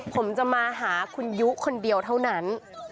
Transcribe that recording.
ผมจะมาหาคุณยุคนเดียวเท่านั้น